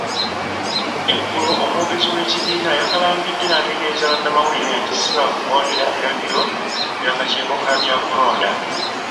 Eggulo omwogezi w'ekibiina, yakalambidde n'ategeeza bannamawulire nti sibaakugondera biragiro bya kakiiko ka byakulonda.